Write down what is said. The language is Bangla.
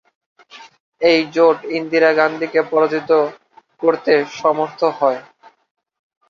এই জোট ইন্দিরা গান্ধীকে পরাজিত করতে সমর্থহয়।